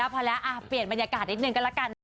พอแล้วเปลี่ยนบรรยากาศนิดนึงก็ละกัน